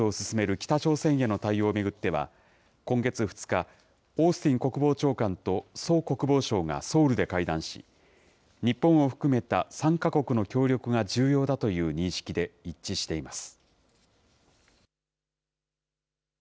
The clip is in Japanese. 北朝鮮への対応を巡っては、今月２日、オースティン国防長官とソ国防相がソウルで会談し、日本を含めた３か国の協力が重要だという認識で一致しています。